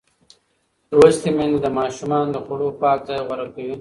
لوستې میندې د ماشومانو د خوړو پاک ځای غوره کوي.